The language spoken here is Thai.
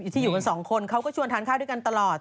ที่อยู่กันสองคนเขาก็ชวนทานข้าวด้วยกันตลอด